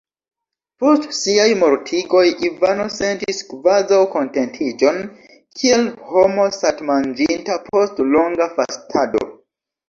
Post siaj mortigoj Ivano sentis kvazaŭ kontentiĝon, kiel homo satmanĝinta post longa fastado.